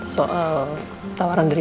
soal tawaran dari